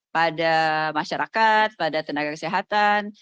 pada masyarakat pada tenaga kesehatan